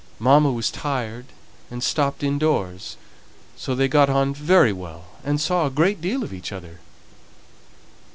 Mamma was tired, and stopped in doors, so they got on very well, and saw a great deal of each other."